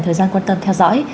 thời gian quan tâm theo dõi